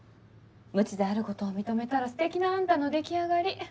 無知であることを認めたらすてきなあんたの出来上がり。